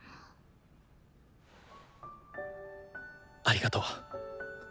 ありがとう。